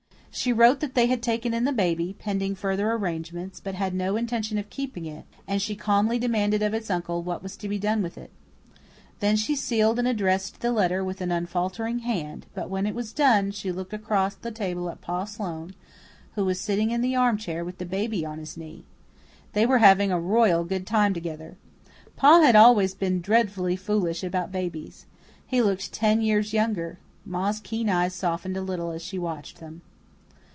She wrote that they had taken in the baby, pending further arrangements, but had no intention of keeping it; and she calmly demanded of its uncle what was to be done with it. Then she sealed and addressed the letter with an unfaltering hand; but, when it was done, she looked across the table at Pa Sloane, who was sitting in the armchair with the baby on his knee. They were having a royal good time together. Pa had always been dreadfully foolish about babies. He looked ten years younger. Ma's keen eyes softened a little as she watched them.